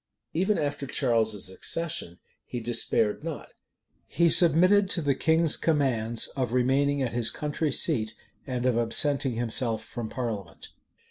Even after Charles's accession he despaired not. He submitted to the king's commands of remaining at his country seat, and of absenting himself from parliament.